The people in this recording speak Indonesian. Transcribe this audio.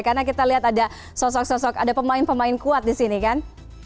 karena kita lihat ada sosok sosok ada pemain pemain kuat di sini kan